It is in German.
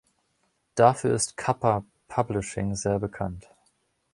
Dafür ist Kappa Publishing sehr bekannt.